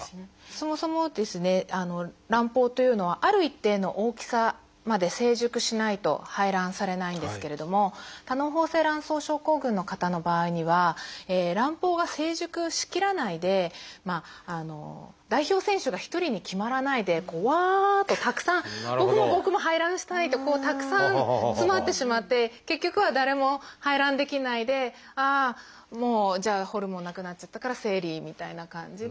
そもそもですね卵胞というのはある一定の大きさまで成熟しないと排卵されないんですけれども多嚢胞性卵巣症候群の方の場合には卵胞が成熟しきらないで代表選手が一人に決まらないでうわとたくさん「僕も僕も排卵したい」とたくさん詰まってしまって結局は誰も排卵できないで「ああもうじゃあホルモンなくなっちゃったから生理」みたいな感じで。